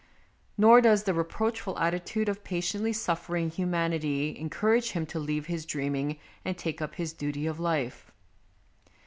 Nor does the reproachful attitude of patiently suffering humanity en courage him to leave his dreaming and take up his duty of life.